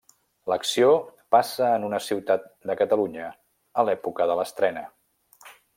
L'acció passa en una ciutat de Catalunya, a l'època de l'estrena.